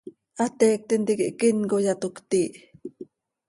¿Hateiictim tiquih quíncoya, toc cötiih?